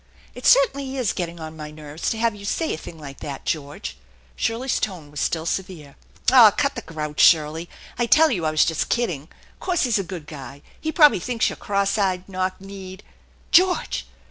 " It certainly is getting on my nerves to have you say a thing like that, George/' Shirley's tone was still severe. "Aw, cut the grouch, Shirley. I tell you I was just kidding. 'Course he's a good guy. He probably thinks you're oross eyed, knock kneed "" George